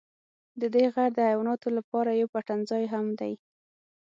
ددې غر د حیواناتو لپاره یو پټنځای هم دی.